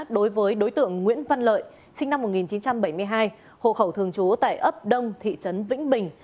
đối với đối tượng nguyễn văn lợi sinh năm một nghìn chín trăm bảy mươi hai hộ khẩu thường trú tại ấp đông thị trấn vĩnh bình